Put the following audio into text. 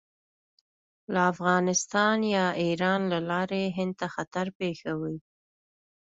له افغانستان یا ایران له لارې هند ته خطر پېښوي.